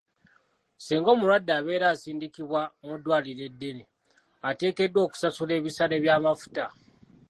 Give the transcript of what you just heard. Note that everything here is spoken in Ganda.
Singa omulwadde abeera asindikibwa mu ddwaliro eddene, ateekeddwa okusasula ebisale by'amafuta.